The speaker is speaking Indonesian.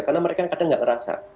karena mereka kadang kadang tidak merasa